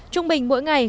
trung bình mỗi ngày